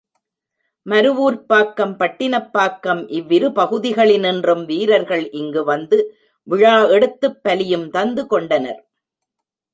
மருவூர்ப்பாக்கம், பட்டினப்பாக்கம் இவ்விரு பகுதிகளினின்றும் வீரர்கள் இங்கு வந்து விழா எடுத்துப் பலியும் தந்து கொண்டனர்.